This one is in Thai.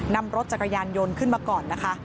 นำรถจักรยานยนต์ขึ้นมาก่อนนะคะ